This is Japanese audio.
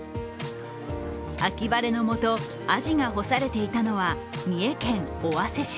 秋晴れのもとアジが干されていたのは三重県尾鷲市。